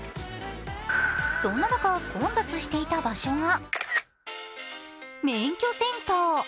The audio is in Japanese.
そんな中、混雑していた場所が免許センター。